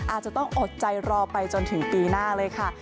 อาจจะต้องอดใจรอไปจนถึงปีหน้าเลยค่ะ